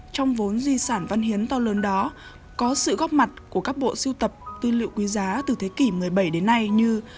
trong vốn di sản văn hiến to lớn đó có sự góp mặt của các bộ siêu tập tư liệu quý giá từ thế kỷ một mươi bảy đến nay như